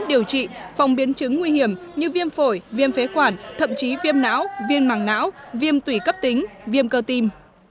điều trị phòng biến chứng nguy hiểm như viêm phổi viêm phế quản thậm chí viêm não viêm mảng não viêm tủy cấp tính viêm cơ tim